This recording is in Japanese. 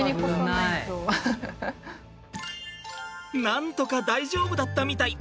なんとか大丈夫だったみたい。